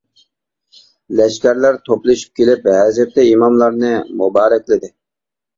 لەشكەرلەر توپلىشىپ كېلىپ ھەزرىتى ئىماملارنى مۇبارەكلىدى.